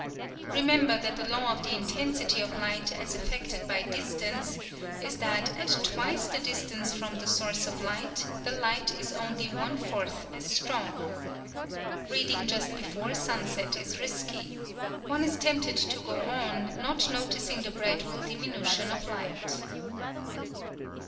Remember that the law of the intensity of light as affected by distance is that at twice the distance from the source of light the light is only one fourth as strong. Reading just before sunset is risky. One is tempted to go on, not noticing the gradual diminution of light.